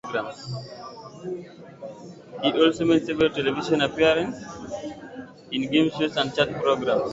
He also made several television appearances in game shows and chat programmes.